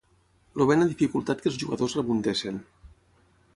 El vent ha dificultat que els jugadors remuntessin.